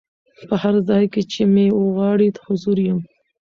په هر ځای کي چي مي وغواړی حضور یم